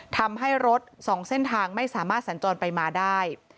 ทำให้รถ๒เส้นทางไม่สามารถสัญจรไปมาได้